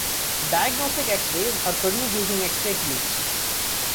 Diagnostic X-rays are produced using X-ray tubes.